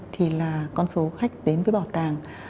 thì là con số khách đến với bảo tàng